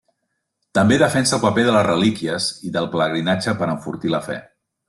També defensa el paper de les relíquies i del pelegrinatge per enfortir la fe.